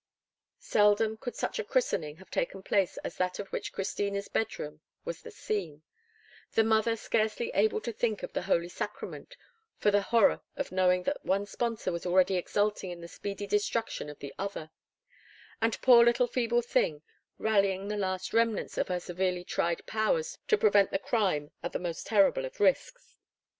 Seldom could such a christening have taken place as that of which Christina's bed room was the scene—the mother scarcely able even to think of the holy sacrament for the horror of knowing that the one sponsor was already exulting in the speedy destruction of the other; and, poor little feeble thing, rallying the last remnants of her severely tried powers to prevent the crime at the most terrible of risks.